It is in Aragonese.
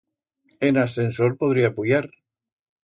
En ascensor podría puyar.